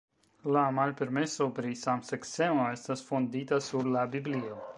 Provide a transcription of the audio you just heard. La malpermeso pri samseksemo estas fondita sur la Biblio.